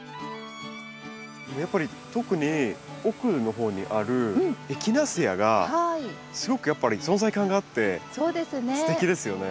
やっぱり特に奥のほうにあるエキナセアがすごくやっぱり存在感があってすてきですよね。